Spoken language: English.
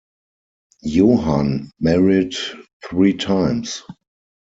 Johann married three times.